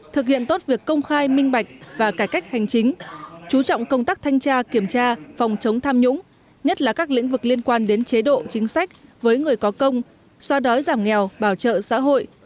thực hiện tốt việc công khai minh bạch và cải cách hành chính chú trọng công tác thanh tra kiểm tra phòng chống tham nhũng nhất là các lĩnh vực liên quan đến chế độ chính sách với người có công so đói giảm nghèo bảo trợ xã hội